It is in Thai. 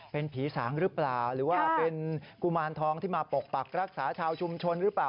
เป็นผีสางหรือเปล่าหรือว่าเป็นกุมารทองที่มาปกปักรักษาชาวชุมชนหรือเปล่า